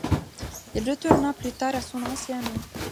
Il retourna plus tard à son ancien nom.